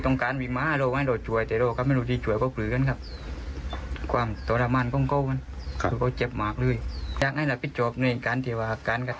นี่หละสุดท้ายแล้วนะ